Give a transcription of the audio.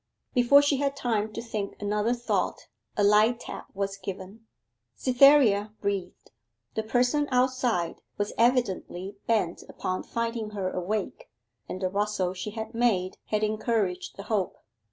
Before she had time to think another thought a light tap was given. Cytherea breathed: the person outside was evidently bent upon finding her awake, and the rustle she had made had encouraged the hope.